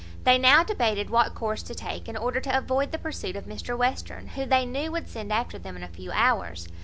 They now debated what course to take, in order to avoid the pursuit of Mr Western, who they knew would send after them in a few hours.